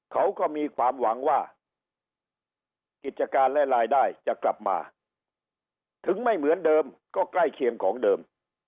เขาก็มีความหวังว่ากิจการและรายได้จะกลับมาถึงไม่เหมือนเดิมก็ใกล้เคียงของเดิม